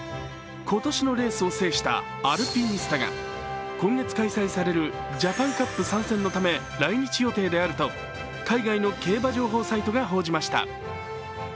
今年のレースを制したアルピニスタが今月開催されるジャパンカップ参戦のため来日予定であると海外の競馬情報サイトが報じました。